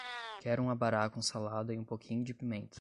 Quero um abará com salada e um pouquinho de pimenta